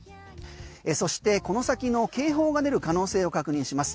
そしてこの先の警報が出る可能性を確認します。